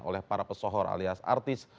oleh para pesohor alias artis